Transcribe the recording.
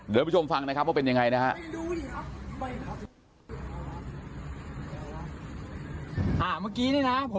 เดินไปชมฟังนะครับว่าเป็นยังไงนะครับ